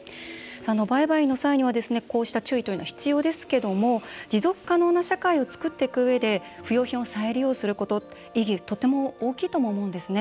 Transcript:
売買の際にはこうした注意というのは必要ですけども持続可能な社会を作っていくうえで不用品を再利用することの意義とても大きいとも思うんですね。